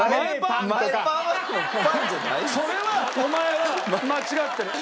それはお前が間違ってる。